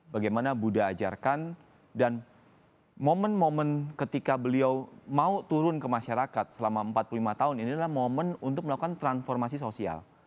bagaimana buddhajarkan dan momen momen ketika beliau mau turun ke masyarakat selama empat puluh lima tahun ini adalah momen untuk melakukan transformasi sosial